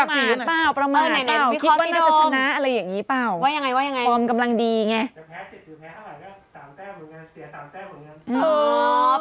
คิดว่าน่าจะชนะอะไรแบบนี้เปล่าความกำลังดีเงี่ย